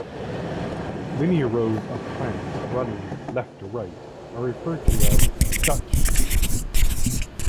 Linear rows of plants running left-to-right are referred to as "Dutch streets".